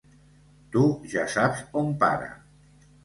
Tu ja saps on para.